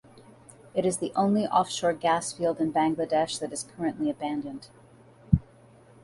It is the only offshore gas field in Bangladesh that is currently abandoned.